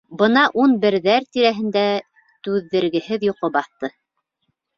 Бына ун берҙәр тирәһендә түҙҙергеһеҙ йоҡо баҫты.